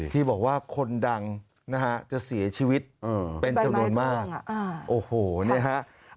ที่บอกว่าคนดังนะฮะจะเสียชีวิตเป็นจำนวนมากโอ้โหเนี่ยฮะ